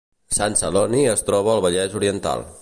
Sant Celoni es troba al Vallès Oriental